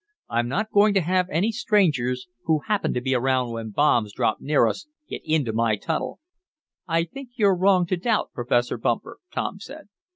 I'm not going to have any strangers, who happen to be around when bombs drop near us, get into my tunnel." "I think you're wrong to doubt Professor Bumper," Tom said.